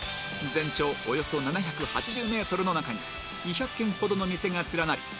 全長およそ７８０ｍの中に２００軒ほどの店が連なり